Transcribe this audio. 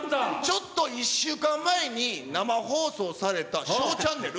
ちょっと１週間前に生放送されたＳＨＯＷチャンネル。